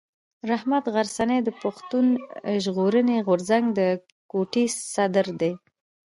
رحمت غرڅنی د پښتون ژغورني غورځنګ د کوټي صدر دی.